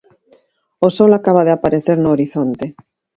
O sol acaba de aparecer no horizonte.